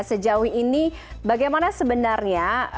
sejauh ini bagaimana sebenarnya